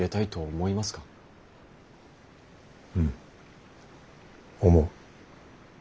うん思う。